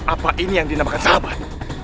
apa ini yang dinamakan sahabat